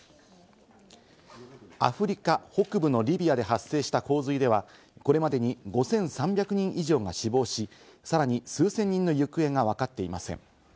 アフリカ北部のリビアで発生した洪水では、これまでに５３００人以上が死亡し、さらに数千人の行方がわかっていません。